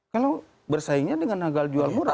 kalau bersaingnya dengan nagal jual murah